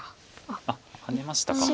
あっハネましたか。